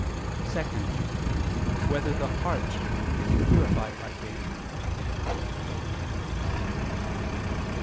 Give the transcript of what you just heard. (2) Whether the heart is purified by faith?